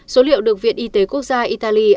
số liệu được viện y tế quốc gia italy